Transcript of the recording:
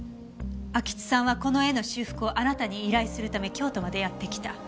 安芸津さんはこの絵の修復をあなたに依頼するため京都までやって来た。